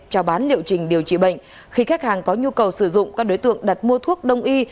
cho bán liệu trình điều trị bệnh khi khách hàng có nhu cầu sử dụng các đối tượng đặt mua thuốc đông y